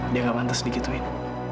dia gak mantas digituin